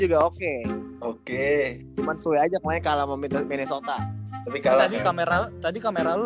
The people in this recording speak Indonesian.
juga oke oke cuman suai aja kalau meminta minnesota tapi kalau tadi kamera tadi kamera